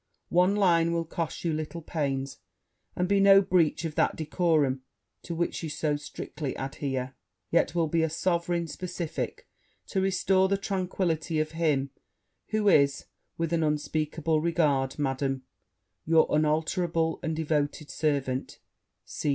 One line will cost you little pains, and be no breach of that decorum to which you so strictly adhere; yet will be a sovereign specifick to restore the tranquillity of him who is, with an unspeakable regard, Madam, your unalterable, and devoted servant, C.